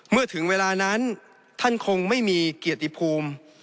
เมื่อถึงเวลานั้นท่านคงไม่มีเกียรติภูมิ